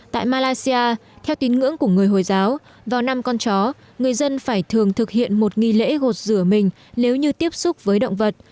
tại malaysia theo tín ngưỡng của người hồi giáo vào năm con chó người dân phải thường thực hiện một nghi lễ gột rửa mình nếu như tiếp xúc với động vật